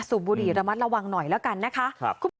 บุรีระมัดระวังหน่อยแล้วกันนะคะ